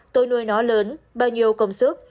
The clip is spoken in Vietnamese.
tôi nuôi nó lớn bao nhiêu công sức